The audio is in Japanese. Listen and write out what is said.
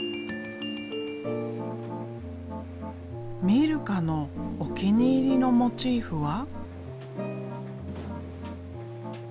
ミルカのお気に入りのモチーフは？